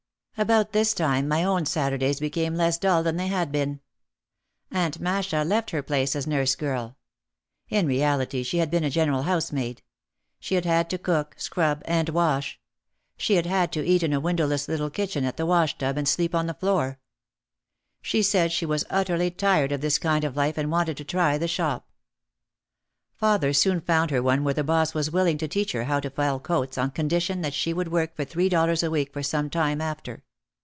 About this time my own Saturdays became less dull than they had been. Aunt Masha left her place as nurse girl. In reality she had been a general house maid. She had had to cook, scrub and wash. She had had to eat in a windowless little kitchen at the wash tub and sleep on the floor. She said she was utterly tired of this kind of life and wanted to try the shop. Father soon found her one where the boss was willing to teach her how to fell coats on condition that she would work for three dollars a week for some time after.